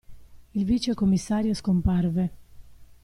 Il vicecommissario scomparve.